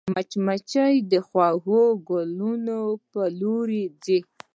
مچمچۍ د خوږو ګلونو پر لور ځي